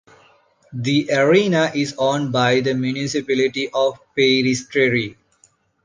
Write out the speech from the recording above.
The arena is owned by the municipality of Peristeri.